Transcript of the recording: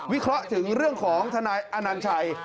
เคราะห์ถึงเรื่องของทนายอนัญชัย